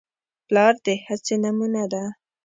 پلار د هڅې نمونه ده.